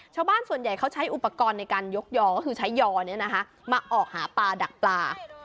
ชาวบ้านส่วนใหญ่เขาใช้อุปกรณ์ในการยกยอก็คือใช้ยอมาออกหาปลาดักปลา